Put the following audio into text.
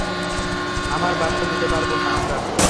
আমার বাসায় যেতে পারব না আমরা।